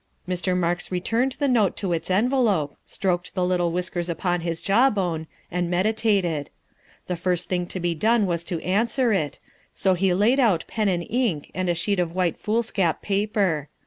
Mr. Marks returned the note to its envelope, stroked the little whiskers upon his jawbone, and meditated. The first thing to be done was to answer it, so he laid out pen and ink and a sheet of white foolscap paper.